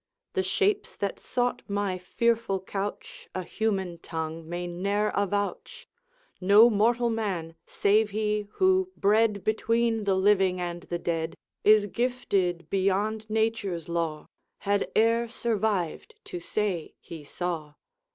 The shapes that sought my fearful couch A human tongue may ne'er avouch; No mortal man save he, who, bred Between the living and the dead, Is gifted beyond nature's law Had e'er survived to say he saw.